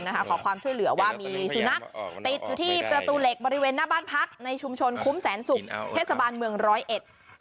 ขอความช่วยเหลือว่ามีสุนัขติดอยู่ที่ประตูเหล็กบริเวณหน้าบ้านพักในชุมชนคุ้มแสนศุกร์เทศบาลเมืองร้อยเอ็ด